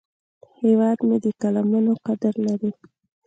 هیواد مې د قلمونو قدر لري